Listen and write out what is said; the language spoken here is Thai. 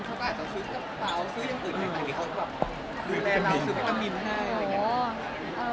ชื่นกระเป๋าซื่นอื่นให้เขาแบบ